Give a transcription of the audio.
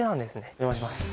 お邪魔します